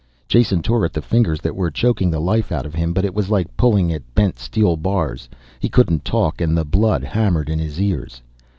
Jason tore at the fingers that were choking the life out of him, but it was like pulling at bent steel bars. He couldn't talk and the blood hammered in his ears.